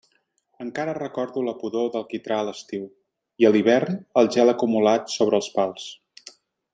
Encara recordo la pudor del quitrà a l'estiu, i a l'hivern el gel acumulat sobre els pals.